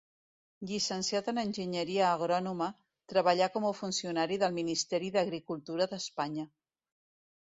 Llicenciat en enginyeria agrònoma, treballà com a funcionari del Ministeri d'Agricultura d'Espanya.